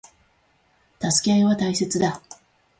助け合いは大切だ。